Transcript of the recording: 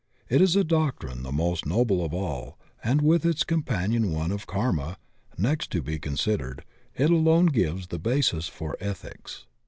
It is a doctrine the most noble of all, and with its companion one of Karma, next to be considered, it alone gives the basis for ethics.